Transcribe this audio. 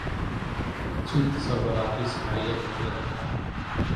اچھی تصوارتی صلاحیت نہیں رکھتا